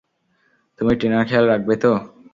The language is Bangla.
তুমি টিনার খেয়াল রাখবে তো?